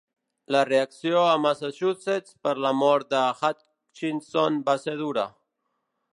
La reacció a Massachusetts per la mort de Hutchinson va ser dura.